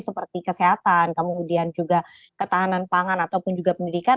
seperti kesehatan kemudian juga ketahanan pangan ataupun juga pendidikan